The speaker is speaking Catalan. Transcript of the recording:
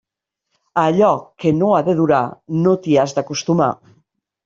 A allò que no ha de durar, no t'hi has d'acostumar.